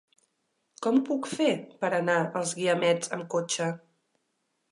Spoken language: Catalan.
Com ho puc fer per anar als Guiamets amb cotxe?